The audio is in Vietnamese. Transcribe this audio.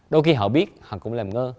đôi khi họ biết họ cũng làm ngơ